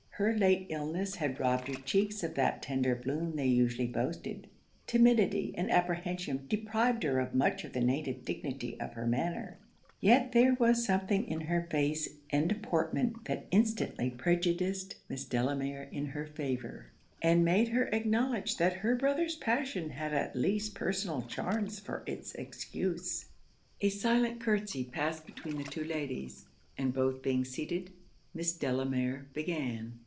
Her late illness had robbed her cheeks of that tender bloom they usually boasted; timidity and apprehension deprived her of much of the native dignity of her manner; yet there was something in her face and deportment that instantly prejudiced Miss Delamere in her favour, and made her acknowledge that her brother's passion had at least personal charms for it's excuse. A silent curtsey passed between the two ladies and both being seated, Miss Delamere began.